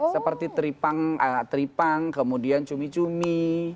seperti tripang kemudian cumi cumi